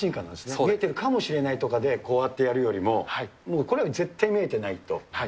見えてるかもしれないというところでこうやってやるよりも、もうこれは絶対見えてないと。